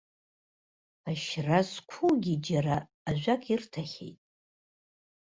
Ашьра зқәугьы џьара ажәак ирҭахьеит!